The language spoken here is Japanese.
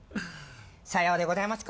さようでございますか。